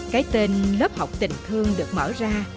cái tên lớp học tình thương được mở ra